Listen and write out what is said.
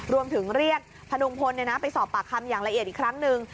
รวมถึงเรียกพนุงพลไปสอบปากคำอย่างละเอียดอีกครั้งหนึ่ง